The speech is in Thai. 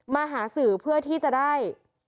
มาหาสื่อเพื่อที่จะได้